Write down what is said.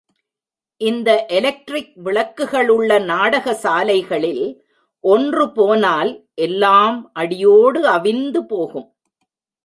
இந்த எலெக்டிரிக் விளக்குகளுள்ள நாடக சாலைகளில், ஒன்று போனால் எல்லாம் அடியோடு அவிந்து போகும்.